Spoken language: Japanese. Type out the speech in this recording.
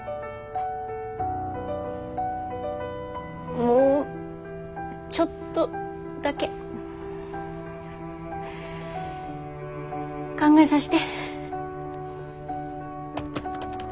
もうちょっとだけ考えさして。